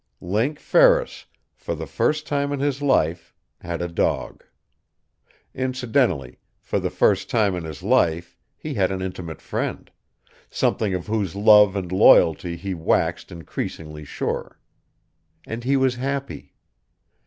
Link Ferris, for the first time in his life, had a dog. Incidentally, for the first time in his life, he had an intimate friend something of whose love and loyalty he waxed increasingly sure. And he was happy.